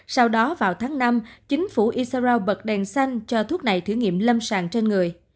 sau đó vào tháng năm chính phủ isarao bật đèn xanh cho thuốc này thử nghiệm lâm sàng trên người